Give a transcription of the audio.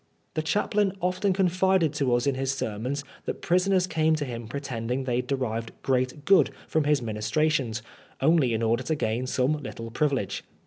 The chaplain often confided to us in his sermons that prisoners came to him pretending they had derived great good from his ministrations, only in order to gain some little privilege.